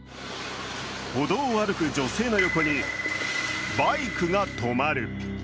歩道を歩く女性の横にバイクが止まる。